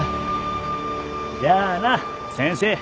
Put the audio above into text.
じゃあな先生。